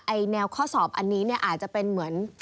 แนวข้อสอบอันนี้เนี่ยอาจจะเป็นเหมือน